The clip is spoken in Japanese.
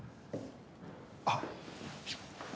あっ。